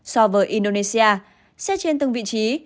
so với indonesia xét trên từng vị trí